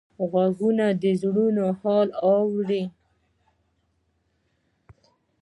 غوږونه د زړونو حال اوري